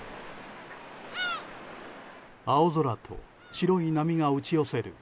青空と白い波が打ち寄せる